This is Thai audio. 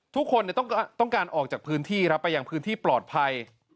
ทุกคนต้องการออกจากพื้นที่ครับไปยังพื้นที่ปลอดภัย